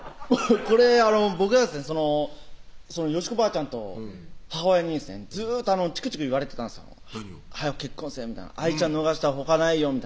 これ僕がですねよしこばあちゃんと母親にですねずっとチクチク言われてたんです「早く結婚せぇ愛ちゃん逃したらほかないよ」